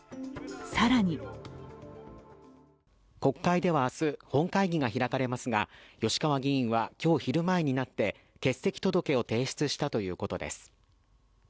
更に国会では明日、本会議が開かれますが吉川議員は今日昼前になって欠席届を提出したということです。